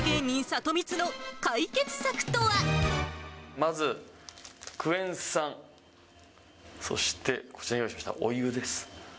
まずクエン酸、そしてこちらに用意してきたお湯です。